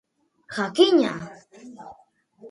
Jakina!